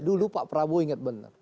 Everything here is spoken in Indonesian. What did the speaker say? dulu pak prabowo ingat benar